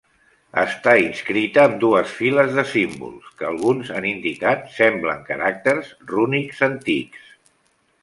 Està inscrita amb dues files de símbols, que alguns han indicat semblen caràcters rúnics antics.